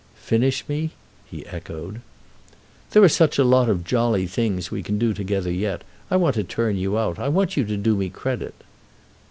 "Finish me?" he echoed. "There are such a lot of jolly things we can do together yet. I want to turn you out—I want you to do me credit."